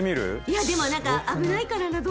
いやでも何か危ないからな。